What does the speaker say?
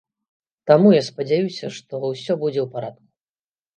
Таму я спадзяюся, што ўсё будзе ў парадку.